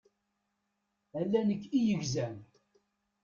Ala nekk i yegzan.